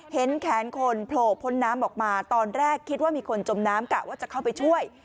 เห็นแขนคนโผล่พ้นน้ำออกมาตอนแรกคิดว่ามีคนจมน้ำกะว่าจะเข้าไปช่วย